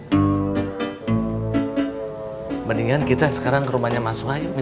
apapun yang ada trong timeline kali ini